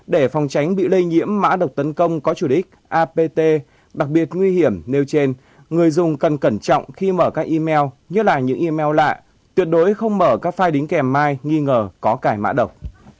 để phòng tránh bị lây nhiễm mã độc tấn công có chủ đích apt đặc biệt nguy hiểm nêu trên người dùng cần cẩn trọng khi mở các email như là những email lạ tuyệt đối không mở các file đính kèm mai nghi ngờ có cải mã độc